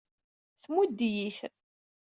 Tmudd-iyi-t.